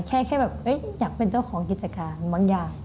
แค่แบบอยากเป็นเจ้าของกิจการบางอย่าง